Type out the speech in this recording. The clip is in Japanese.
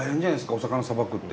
お魚さばくって。